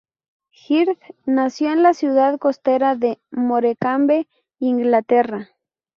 Hird nació en la ciudad costera de Morecambe, Inglaterra.